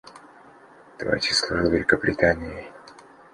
Твой отец служил Великобритании.